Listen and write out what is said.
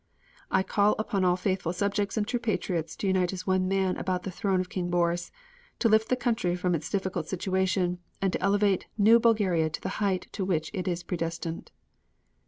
I call upon all faithful subjects and true patriots to unite as one man about the throne of King Boris, to lift the country from its difficult situation, and to elevate new Bulgaria to the height to which it is predestined.